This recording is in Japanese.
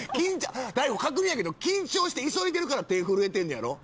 大悟確認やけど緊張して急いでるから手ぇ震えてんのやろ？